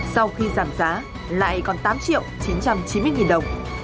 sau khi giảm giá lại còn tám triệu chín trăm chín mươi đồng